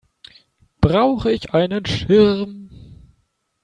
Brauche ich einen Schirm?